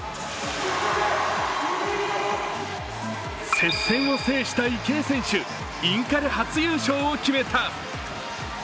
接戦を制した池江選手、インカレ初優勝を決めた。